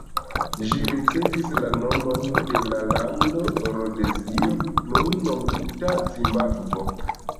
Ĝi ricevis la nomon de la lando Rodezio, nun nomita Zimbabvo.